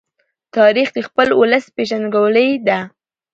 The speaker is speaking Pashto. تاریخ د خپل ولس پېژندګلوۍ ده.